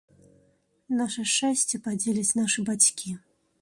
Наша шчасце падзеляць нашы бацькі.